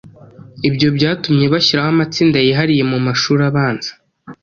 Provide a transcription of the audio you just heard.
Ibyo byatumye bashyiraho amatsinda yihariye mu mashuri abanza